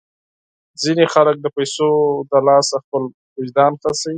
ځینې خلک د پیسو د لاسه خپل وجدان خرڅوي.